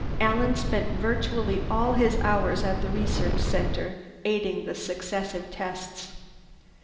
Alan spent virtually all his hours at the research center, aiding in the successive tests.